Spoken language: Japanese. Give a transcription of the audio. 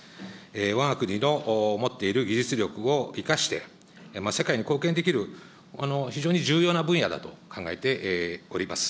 わが国の持っている技術力を生かして、世界に貢献できる非常に重要な分野だと考えております。